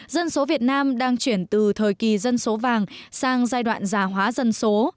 dân số việt nam đang chuyển từ thời kỳ dân số vàng sang giai đoạn già hóa dân số